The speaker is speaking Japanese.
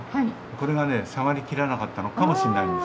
これがね下がりきらなかったのかもしんないんです。